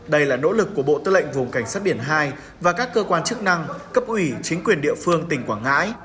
đây là nỗ lực của bộ tư lệnh vùng cảnh sát biển hai và các cơ quan chức năng cấp ủy chính quyền địa phương tỉnh quảng ngãi